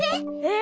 え？